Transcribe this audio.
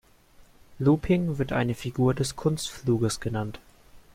Looping wird eine Figur des Kunstfluges genannt.